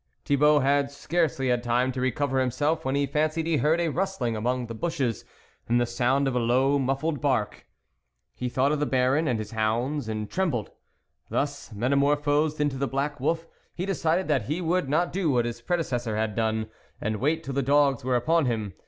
Thibault had scarcely had time to re cover himself when he fancied he heard a rustling among the bushes, and the sound of a low, muffled bark. ... He thought of the Baron and his hounds, and trembled. Thus metamorphosed into the black wolf, he decided that he would not do what his predecessor had done, and wait till the dogs were upon him.